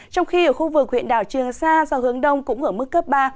trong khi ở khu vực huyện đảo trường sa do hướng đông cũng ở mức cấp ba